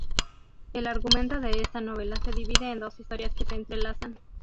El argumento de esta novela se divide en dos historias que se entrelazan.